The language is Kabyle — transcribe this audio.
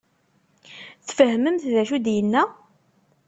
Tfehmemt d acu i d-nenna?